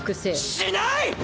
しない！